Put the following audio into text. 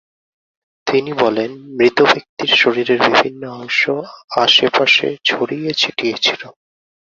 তিনি বলেন, মৃত ব্যক্তির শরীরের বিভিন্ন অংশ আশপাশে ছড়িয়ে ছিটিয়ে ছিল।